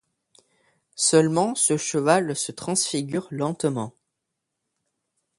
Seulement ce cheval se transfigure lentement.